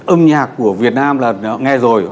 âm nhạc của việt nam là họ nghe rồi